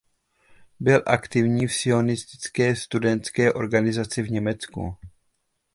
Byl aktivní v sionistickém studentské organizaci v Německu.